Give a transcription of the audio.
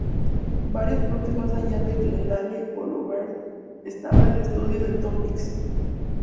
Varios bloques más allá de Glendale Boulevard estaba el estudio de Tom Mix.